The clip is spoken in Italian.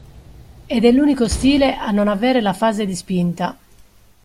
Ed è l'unico stile a non avere la fase di spinta.